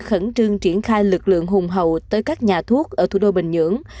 khẩn trương triển khai lực lượng hùng hậu tới các nhà thuốc ở thủ đô bình nhưỡng